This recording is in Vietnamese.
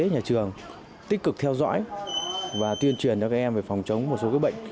nhà trường tích cực theo dõi và tuyên truyền cho các em về phòng chống một số bệnh